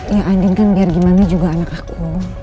ya andin kan biar gimana juga anak aku